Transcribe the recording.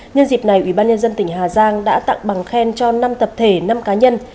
nhân dịp này ủy ban nhân dân tỉnh hà giang đã tặng bằng khen cho năm tập thể năm cá nhân